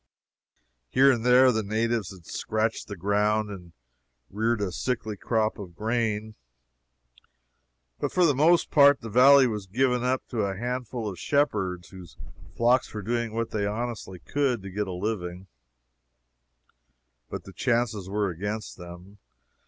Here and there the natives had scratched the ground and reared a sickly crop of grain, but for the most part the valley was given up to a handful of shepherds, whose flocks were doing what they honestly could to get a living, but the chances were against them.